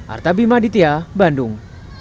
artabi maditya bandung